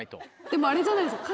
でもあれじゃないですか。